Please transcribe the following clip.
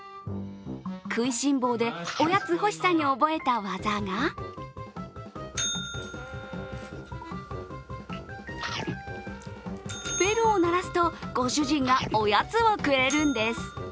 食いしん坊で、おやつ欲しさに覚えた技がベルを鳴らすとご主人がおやつをくれるんです。